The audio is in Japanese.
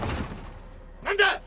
何だ！